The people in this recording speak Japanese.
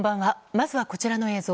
まずは、こちらの映像。